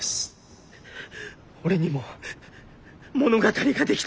俺にも物語が出来た。